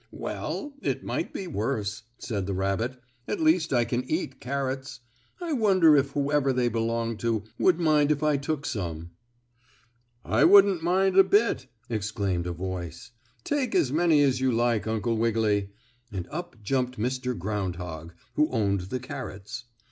"Well, it might be worse!" said the rabbit. "At least I can eat carrots. I wonder if whoever they belong to would mind if I took some?" "I wouldn't mind a bit!" exclaimed a voice. "Take as many as you like, Uncle Wiggily," and up jumped Mr. Groundhog, who owned the carrots.